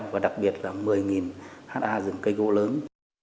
và đặc biệt là một mươi ha rừng cây gỗ lớn